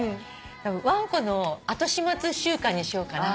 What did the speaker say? わんこの後始末週間にしようかな。